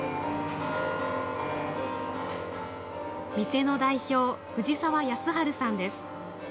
店の代表、藤澤智晴さんです。